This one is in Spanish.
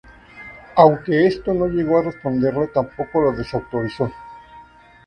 Aunque esta no llegó a responderle, tampoco lo desautorizó.